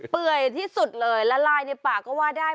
ื่อยที่สุดเลยละลายในปากก็ว่าได้